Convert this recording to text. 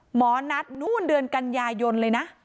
หมอนัดนู่นเดือนกันยายนเลยนะ